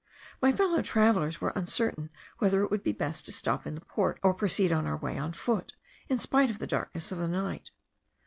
My fellow travellers were uncertain whether it would be best to stop in the port or proceed on our way on foot, in spite of the darkness of the night.